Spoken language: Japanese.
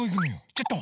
ちょっと！